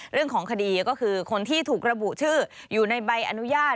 เรื่องของคดีก็คือคนที่ถูกระบุชื่ออยู่ในใบอนุญาต